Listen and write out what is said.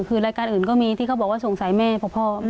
คือรายการอื่นก็มีที่เขาบอกว่าสงสัยแม่เพราะพ่อ